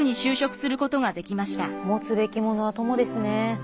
持つべきものは友ですね。